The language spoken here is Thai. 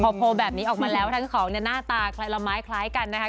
พอโพลแบบนี้ออกมาแล้วทั้งของหน้าตาละไม้คล้ายกันนะครับ